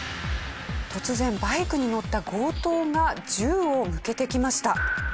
突然バイクに乗った強盗が銃を向けてきました。